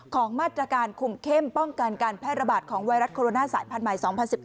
ของมาตรการคุมเข้มป้องกันการแพร่ระบาดของไวรัสโคโรนาสายพันธุใหม่๒๐๑๑